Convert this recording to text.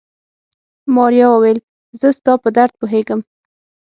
ماريا وويل زه ستا په درد پوهېږم.